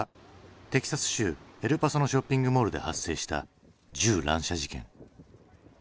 テキサス州エルパソのショッピングモールで発生した銃乱射事件。